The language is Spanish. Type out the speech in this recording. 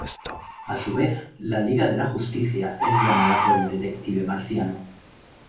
A su vez, la Liga de la Justicia es llamada por el Detective Marciano.